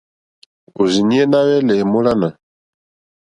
Òrzìɲɛ́ ná hwɛ́lɛ̀ èmólánà.